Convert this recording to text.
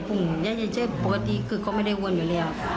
ก็ไม่ได้บอกการเรียนกันแล้ว